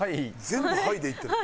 全部「はい」でいってる。